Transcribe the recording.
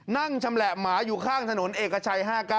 ชำแหละหมาอยู่ข้างถนนเอกชัย๕๙